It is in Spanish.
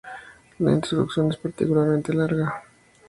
La introducción es particularmente larga.